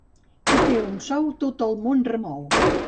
Qui té un sou tot el món remou.